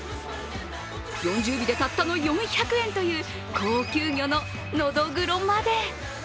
４０尾でたったの４００円という高級魚の、のどぐろまで。